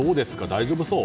大丈夫そう？